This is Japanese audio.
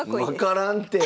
分からんて。